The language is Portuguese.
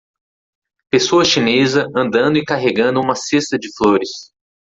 Pessoa chinesa andando e carregando uma cesta de flores.